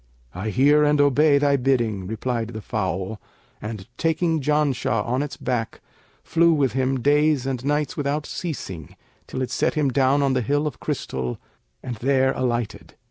'I hear and obey thy bidding,' replied the fowl; and, taking Janshah on its back, flew with him days and nights without ceasing till it set him down on the Hill of Crystal and there alighted.